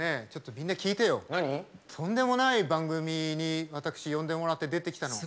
とんでもない番組に私呼んでもらって出てきたの。